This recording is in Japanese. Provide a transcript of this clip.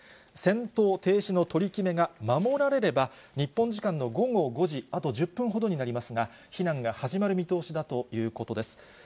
戦闘停止の取り決めが守られれば、日本時間の午後５時、あと１０分ほどになりますが、避難が始まる見通しだということです。